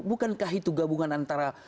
bukankah itu gabungan antara